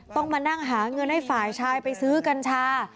ต้องมานั่งหาเงินให้ฝ่ายชายไปซื้อกัญชา